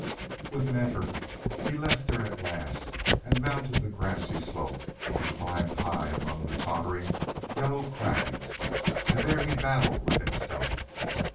With an effort he left her at last and mounted the grassy slope and climbed high up among the tottering yellow crags; and there he battled with himself.